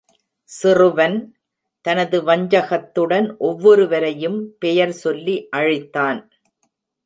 சிறுவன், தனது வஞ்சகத்துடன், ஒவ்வொருவரையும் பெயர் சொல்லி அழைத்தான்.